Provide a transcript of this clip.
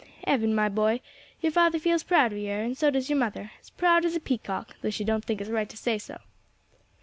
Evan, my boy, your father feels proud of yer, and so does your mother as proud as a peacock though she don't think it's right to say so."